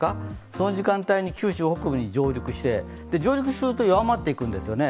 その時間帯に九州北部に上陸して、上陸すると弱まっていくんですよね。